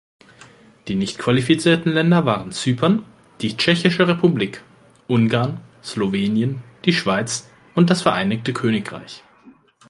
Die nicht qualifizierten Länder waren Zypern, die Tschechische Republik, Ungarn, Slowenien, die Schweiz und das Vereinigte Königreich.